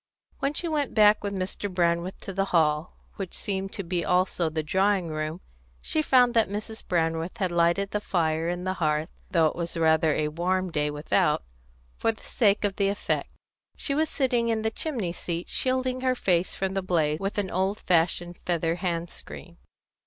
When she went back with Mr. Brandreth to the hall, which seemed to be also the drawing room, she found that Mrs. Brandreth had lighted the fire on the hearth, though it was rather a warm day without, for the sake of the effect. She was sitting in the chimney seat, and shielding her face from the blaze with an old fashioned feather hand screen.